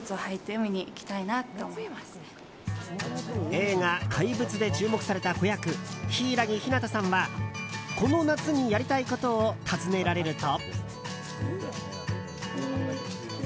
映画「怪物」で注目された子役・柊木陽太さんはこの夏にやりたいことを尋ねられると。